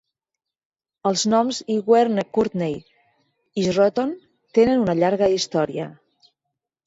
Els noms Iwerne Courtney i Shroton tenen una llarga història.